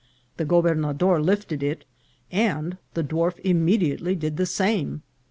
The goberna dor lifted it, and the dwarf immediately did the same.